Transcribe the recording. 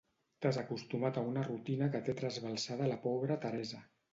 T'has acostumat a una rutina que té trasbalsada la pobra Teresa.